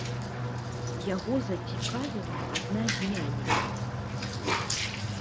Яго зацікавіла адна з нянек.